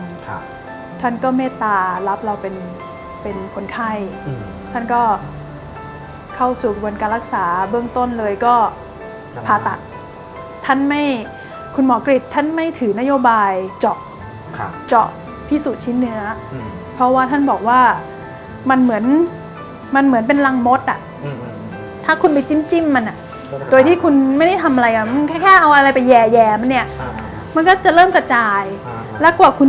ค่ะท่านก็เมตตารับเราเป็นเป็นคนไข้อืมท่านก็เข้าสู่กระบวนการรักษาเบื้องต้นเลยก็ผ่าตัดท่านไม่คุณหมอกฤทธิ์ท่านไม่ถือนโยบายเจาะค่ะเจาะพิสูจน์ชิ้นเนื้ออืมเพราะว่าท่านบอกว่ามันเหมือนมันเหมือนเป็นรังมดอ่ะอืมถ้าคุณไปจิ้มจิ้มมันอ่ะโทษค่ะโดยที่ค